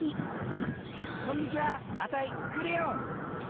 こんにちはあたいくれよん。